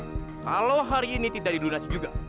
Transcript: kalau hari ini tidak dilunasi juga